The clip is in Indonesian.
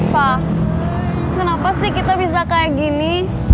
pak kenapa sih kita bisa kayak gini